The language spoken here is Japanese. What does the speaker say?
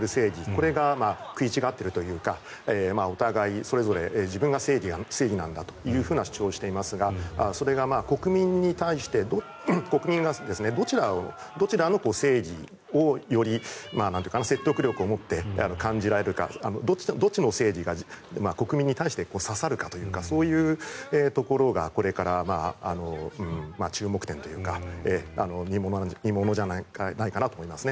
これが食い違っているというかお互いそれぞれ自分が正義なんだという主張をしていますがそれが、国民がどちらの正義をより説得力を持って感じられるかどっちの正義が国民に対して刺さるかというそういうところがこれから注目点というか見ものじゃないかなと思います。